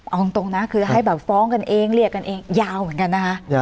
เอาตรงนะคือให้แบบฟ้องกันเองเรียกกันเองยาวเหมือนกันนะคะ